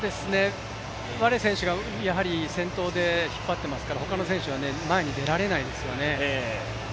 ワレ選手が先頭で引っ張ってますから他の選手は前に出られないですよね。